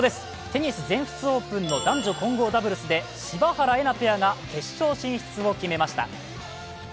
テニス・全仏オープンの男女混合ダブルスで柴原瑛菜ペアが決勝進出を決めました。